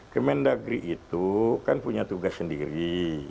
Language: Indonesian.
kmn dagri itu kan punya tugas sendiri